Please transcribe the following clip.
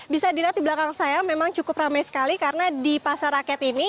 bisa dilihat di belakang saya memang cukup ramai sekali karena di pasar rakyat ini